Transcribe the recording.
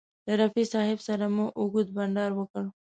له رفیع صاحب سره مو اوږد بنډار وکړ.